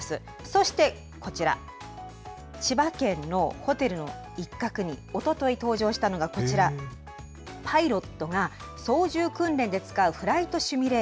そしてこちら、千葉県のホテルの一角に、おととい登場したのがこちら、パイロットが操縦訓練で使楽しそう。